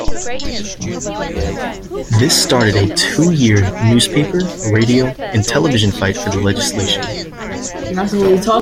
This started a two-year newspaper, radio, and television fight for the legislation.